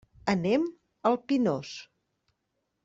Anem al Pinós.